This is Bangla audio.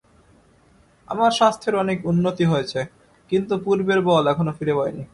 আমার স্বাস্থ্যের অনেক উন্নতি হয়েছে, কিন্তু পূর্বের বল এখনও ফিরে পাইনি।